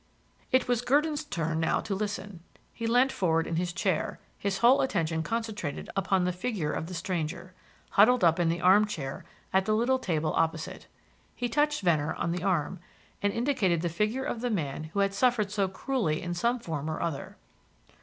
It was Gurdon's turn now to listen. He leant forward in his chair, his whole attention concentrated upon the figure of the stranger, huddled up in the armchair at the little table opposite. He touched Venner on the arm, and indicated the figure of the man who had suffered so cruelly in some form or other.